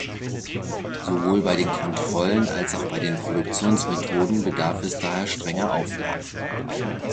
Sowohl bei den Kontrollen als auch bei den Produktionsmethoden bedarf es daher strenger Auflagen.